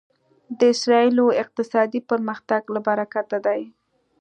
د اسرایلو اقتصادي پرمختګ له برکته دی.